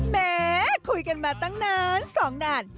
แหมคุยกันมาตั้งนานสองนาน